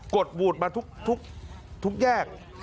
ดวูดมาทุกแยก